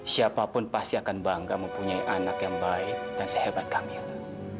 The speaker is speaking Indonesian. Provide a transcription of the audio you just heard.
siapapun pasti akan bangga mempunyai anak yang baik dan sehebat kami lah